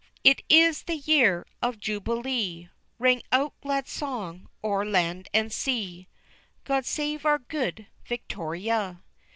_It is the YEAR of JUBILEE! Ring out glad song o'er land and sea; God save our Good Victoria!